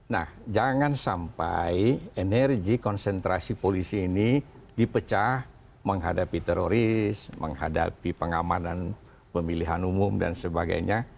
nah jangan sampai energi konsentrasi polisi ini dipecah menghadapi teroris menghadapi pengamanan pemilihan umum dan sebagainya